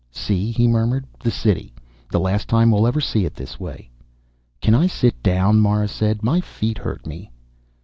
"See," he murmured. "The City. The last time we'll ever see it this way." "Can I sit down?" Mara said. "My feet hurt me."